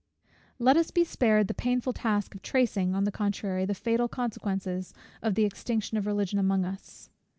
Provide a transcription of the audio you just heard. Let us be spared the painful task of tracing, on the contrary, the fatal consequences of the extinction of Religion among us.